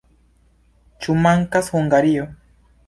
Ĉu mankas Hungario?